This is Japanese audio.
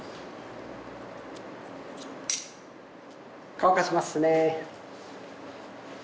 乾かしますね。